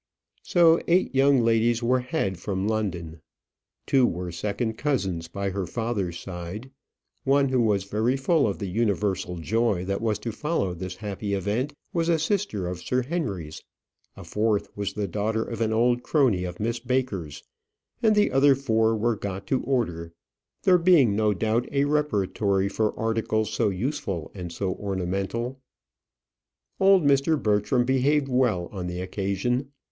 So eight young ladies were had from London. Two were second cousins by her father's side; one, who was very full of the universal joy that was to follow this happy event, was a sister of Sir Henry's; a fourth was the daughter of an old crony of Miss Baker's; and the other four were got to order there being no doubt a repertory for articles so useful and so ornamental. Old Mr. Bertram behaved well on the occasion.